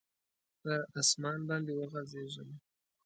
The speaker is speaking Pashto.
پر اسمان باندي وغځیږم